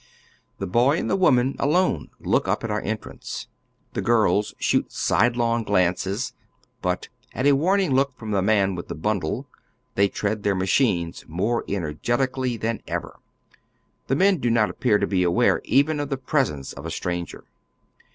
The boy and the woman alone look np at onr entrance. The girls shoot sidelong glances, but at a warning look from the man with the bundle they tread their machines more energetically than ever. The men do not appear to be aware even of the presence of a stranger.